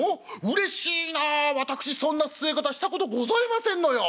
うれしいなあ私そんな据え方したことございませんのよ。